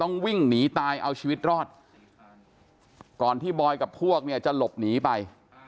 วิ่งหนีตายเอาชีวิตรอดก่อนที่บอยกับพวกเนี่ยจะหลบหนีไป